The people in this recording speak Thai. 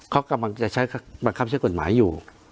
เขากำลังจะใช้บังคับใช้กฎหมายอยู่